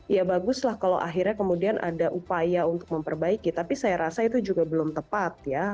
ya baguslah kalau akhirnya kemudian ada upaya untuk memperbaiki tapi saya rasa itu juga belum tepat ya